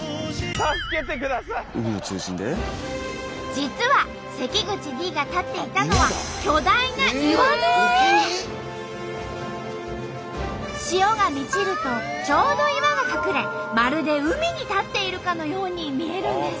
実は関口Ｄが立っていたのは潮が満ちるとちょうど岩が隠れまるで海に立っているかのように見えるんです。